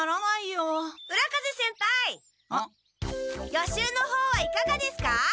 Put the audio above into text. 予習の方はいかがですか？